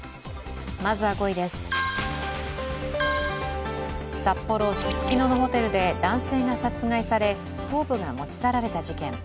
まずは５位です、札幌・ススキノのホテルで男性が殺害され頭部が持ち去られた事件。